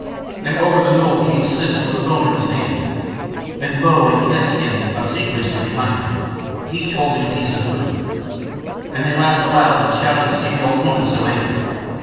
And over the knoll came Siss with a bone in his hand, and Bo and Cat's skin obsequiously behind him, each holding a piece of food, and they laughed aloud and shouted to see the old woman so angry.